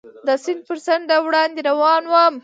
د سیند پر څنډه وړاندې روان ووم.